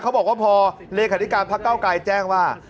เขาบอกว่าพอเลขาธิการพักเก้าไกรแจ้งว่า